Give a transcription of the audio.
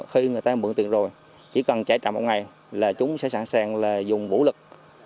khi người ta bựng tiền rồi chỉ cần trả trả một ngày là chúng sẽ sẵn sàng là dùng vũ lực